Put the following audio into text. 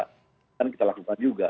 kan kita lakukan juga